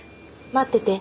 待ってて。